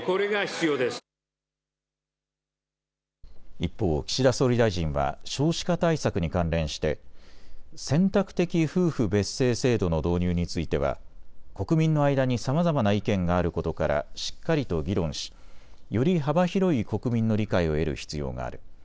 一方、岸田総理大臣は少子化対策に関連して選択的夫婦別姓制度の導入については国民の間にさまざまな意見があることからしっかりと議論し、より幅広い国民の理解を得る必要がある。